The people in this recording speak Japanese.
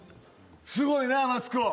すごいなマツコ。